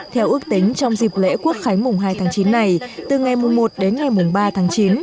theo ước tính trong dịp lễ quốc khánh mùng hai tháng chín này từ ngày một đến ngày mùng ba tháng chín